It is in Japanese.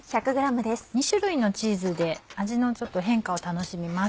２種類のチーズで味の変化を楽しみます。